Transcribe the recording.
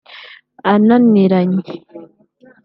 ananiranye